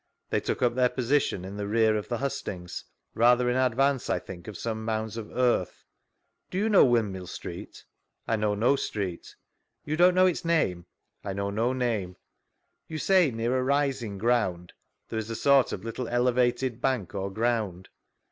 — They took up their position in the rear of the hustings, rather in advance, I think, oi some mounds of earth. Do you know Windmill Street ?— I know no street. You don't know its name?— I know no name. ■V Google STANLEY'S EVIDENCE 31 You say near a rising ground ?— There is a sort of little elevated bank or ground.